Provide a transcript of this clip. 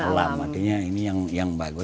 alam artinya ini yang bagus